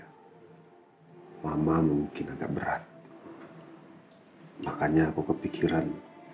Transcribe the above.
hai mama mungkin agak berat makanya aku kepikiran